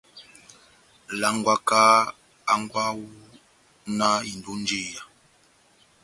Langwaka hángwɛ wawu náh indi ó njeya.